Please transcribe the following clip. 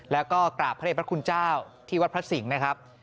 แล้วก็กราบพระเด็จพระคุณเจ้าที่วัดพระสิงห์นะครับ